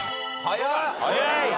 早い。